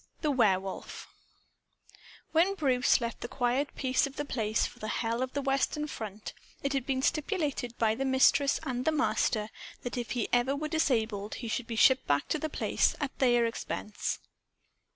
The Werewolf When Bruce left the quiet peace of The Place for the hell of the Western Front, it had been stipulated by the Mistress and the Master that if ever he were disabled, he should be shipped back to The Place, at their expense.